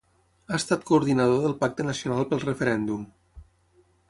Ha estat coordinador del Pacte Nacional pel Referèndum.